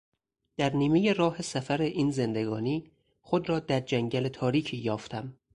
در نیمهی راه سفر این زندگانی خود را در جنگل تاریکی یافتم.